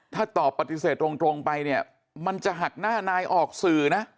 ถ้าตอบปฏิเสธตรงไปเนี่ยมันจะหักหน้านายออกสื่อนะ